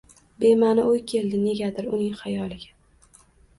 Bema’ni o’y keldi negadir uning xayoliga.